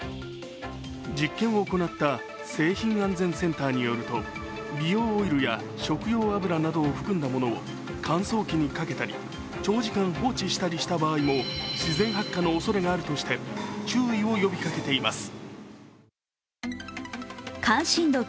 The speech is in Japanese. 実験を行った製品安全センターによると美容オイルや食用油などを含んだものを乾燥機にかけたり長時間放置したりした場合も自然発火のおそれがあるとして注意を呼びかけています。